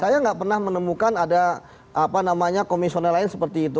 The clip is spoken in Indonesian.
saya enggak pernah menemukan ada apa namanya komisioner lain seperti itu